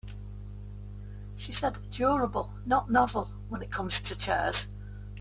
She said durable not novel when it comes to chairs.